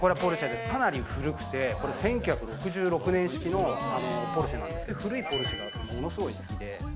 かなり古くて１９６６年式のポルシェなんですけど、古いポルシェがものすごい好きで。